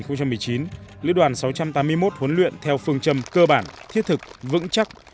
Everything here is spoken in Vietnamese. năm hai nghìn một mươi chín lữ đoàn sáu trăm tám mươi một huấn luyện theo phương châm cơ bản thiết thực vững chắc